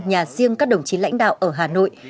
nhà riêng các đồng chí lãnh đạo ở hà nội